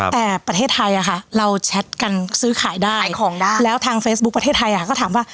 แต่ประเทศไทยเราแชทกันซื้อขายได้แล้วทางเฟซบุ๊คประเทศไทยก็ถามว่า